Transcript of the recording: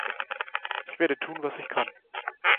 Ich werde tun, was ich kann.